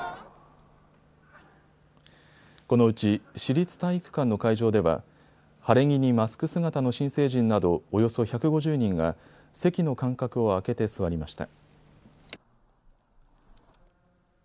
このうち市立体育館の会場では晴れ着にマスク姿の新成人などおよそ１５０人が席の間隔を空けて座りました。